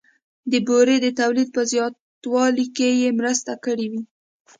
د بورې د تولید په زیاتوالي کې یې مرسته کړې وي